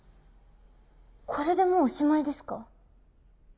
これでもうおしまいですか？